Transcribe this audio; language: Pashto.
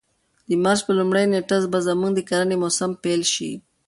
د مارچ په لومړۍ نېټه به زموږ د کرنې موسم پیل شي.